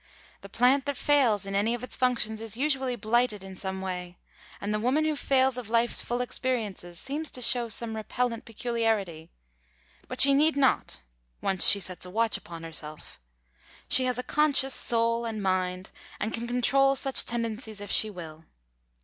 The plant that fails in any of its functions is usually blighted in some way, and the woman who fails of life's full experiences seems to show some repellent peculiarity. But she need not, once she sets a watch upon herself; she has a conscious soul and mind, and can control such tendencies if she will.